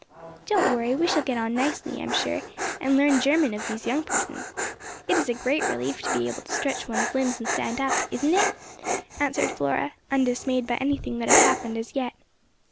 "Don't worry, we shall get on nicely, I'm sure, and learn German of these young persons. It is a great relief to be able to stretch one's limbs and stand up, isn't it?" answered Flora, undismayed by anything that had happened as yet.